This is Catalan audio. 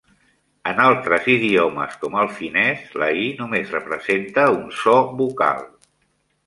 En altres idiomes, com el finès, la "y" només representa un so vocal.